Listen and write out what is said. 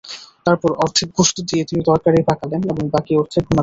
তারপর অর্ধেক গোশত দিয়ে তিনি তরকারী পাকালেন আর বাকি অর্ধেক ভুনা করলেন।